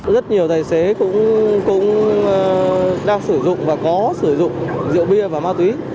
rất nhiều tài xế cũng đang sử dụng và có sử dụng rượu bia và ma túy